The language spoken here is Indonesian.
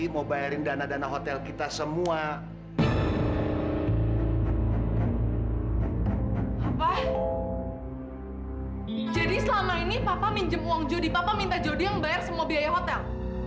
selama ini papa minjem uang jodi papa minta jody yang bayar semua biaya hotel